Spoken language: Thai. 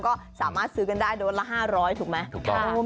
ก็สามารถซื้อกันได้โดนละ๕๐๐ถูกไหม